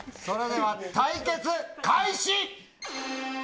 それでは対決開始！